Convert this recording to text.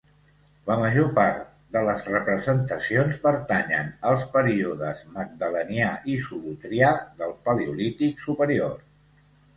La major part de les representacions pertanyen als períodes Magdalenià i Solutrià del Paleolític Superior.